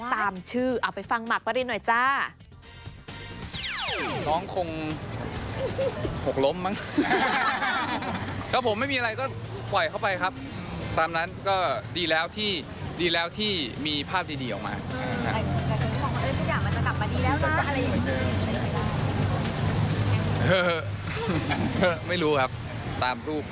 ตามชื่อเอาไปฟังหมากปรินหน่อยจ้า